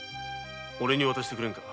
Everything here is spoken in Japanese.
おれに渡してくれぬか。